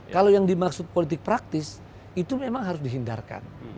kalau yang dimaksud politik praktis itu memang harus dihindarkan